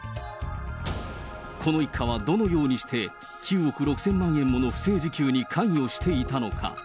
この一家はどのようにして、９億６０００万円もの不正受給に関与していたのか。